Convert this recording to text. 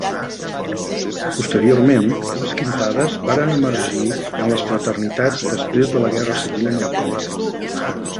Posteriorment, les quintades varen emergir en les fraternitats després de la Guerra Civil americana.